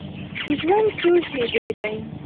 ژوند څو شیبې دی.